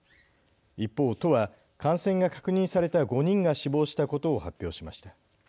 一方、都は感染が確認された５人が死亡したことを発表しました。